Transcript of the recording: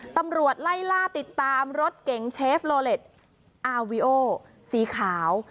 ตำรวจไล่ล่าติดตามรถเก๋งเชฟโลเล็ตอาวิโอสีขาว